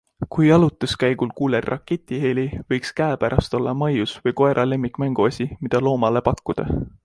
Kui jalutuskäigul kuuled raketi heli, võiks käepärast olla maius või koera lemmikmänguasi, mida loomale pakkuda.